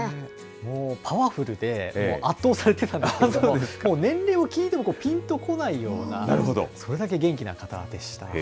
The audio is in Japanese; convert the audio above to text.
もうパワフルで、圧倒されてたんですけれども、年齢を聞いてもぴんとこないような、それだけ元気な方でした。